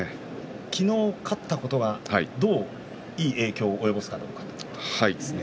昨日勝ったことはどういう影響を及ぼすかですね。